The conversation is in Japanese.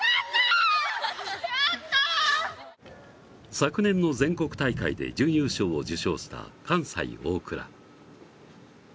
昨年の全国大会で準優勝を受賞した関西大倉。